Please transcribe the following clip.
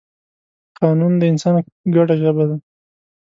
قانون د انسان ګډه ژبه ده.